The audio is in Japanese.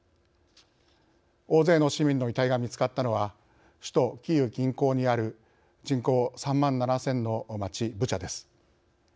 大勢の市民の遺体が見つかったのは首都キーウ近郊にある人口３万７０００の町ブチャです。